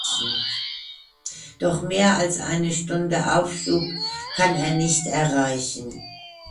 Doch mehr als eine Stunde Aufschub kann er nicht erreichen.